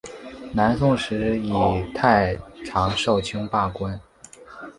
南宋时以太常少卿罢官。